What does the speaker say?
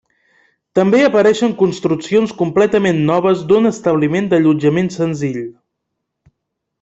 També apareixen construccions completament noves d’un establiment d’allotjament senzill.